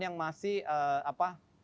yang masih apa